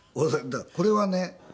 これはね